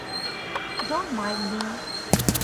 Don't mind me.